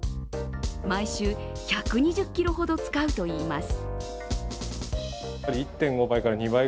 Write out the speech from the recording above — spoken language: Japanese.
毎週１２０ｋｇほど使うといいます。